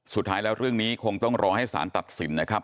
สุดท้ายแล้วเรื่องนี้คงต้องรอให้สารตัดสินนะครับ